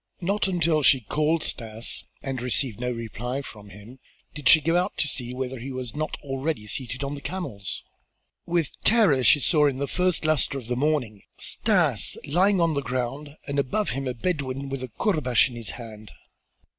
Not until she called Stas and received no reply from him, did she go out to see whether he was not already seated on the camels. With terror she saw in the first luster of the morning Stas lying on the ground and above him a Bedouin with a courbash in his hand.